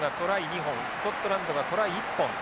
２本スコットランドがトライ１本。